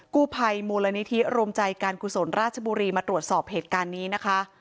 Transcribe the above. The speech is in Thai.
กู้ภัยมูลนิธิโรมใจการกุศลราชบุรีมาตรวจสอบเหตุการณ์นี้นะคะ